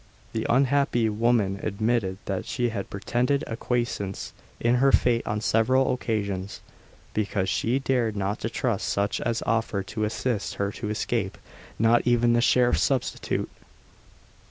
The unhappy woman admitted that she had pretended acquiescence in her fate on several occasions, because she dared not trust such as offered to assist her to escape, not even the sheriff substitute.